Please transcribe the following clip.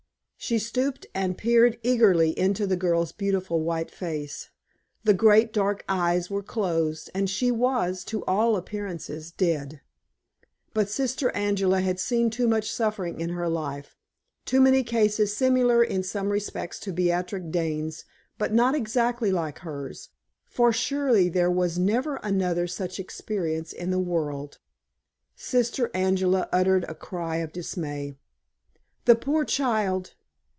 She stooped and peered eagerly into the girl's beautiful white face. The great dark eyes were closed, and she was, to all appearances, dead. But Sister Angela had seen too much suffering in her life too many cases similar in some respects to Beatrix Dane's, but not exactly like hers, for surely there was never another such experience in the world. Sister Angela uttered a cry of dismay. "The poor child!